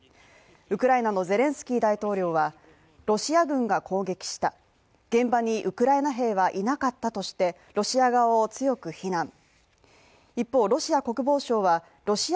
ウクライナのゼレンスキー大統領はロシア軍が攻撃した現場にウクライナ兵はいなかったとしてロシア側を強く非難。